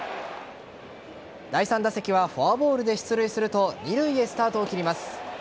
第３打席はフォアボールで出塁すると二塁へスタートを切ります。